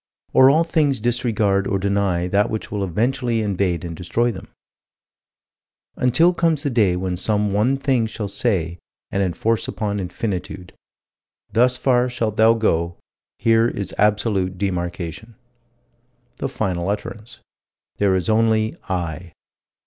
Or all things disregard or deny that which will eventually invade and destroy them Until comes the day when some one thing shall say, and enforce upon Infinitude: "Thus far shalt thou go: here is absolute demarcation." The final utterance: "There is only I."